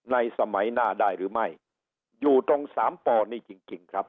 ในสมัยหน้าได้หรือไม่อยู่ตรงสามปนี่จริงจริงครับ